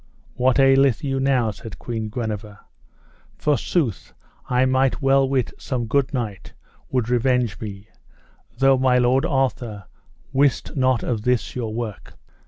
What aileth you now? said Queen Guenever; forsooth I might well wit some good knight would revenge me, though my lord Arthur wist not of this your work.